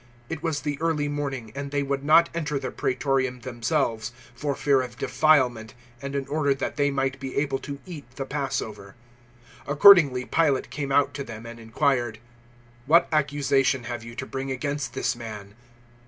It was the early morning, and they would not enter the Praetorium themselves for fear of defilement, and in order that they might be able to eat the Passover. 018:029 Accordingly Pilate came out to them and inquired, "What accusation have you to bring against this man?"